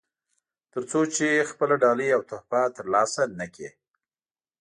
تر څو چې خپله ډالۍ او تحفه ترلاسه نه کړي.